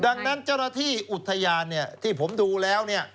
ดังนั้นเจ้าหน้าที่อุทยานที่ผมดูแล้ว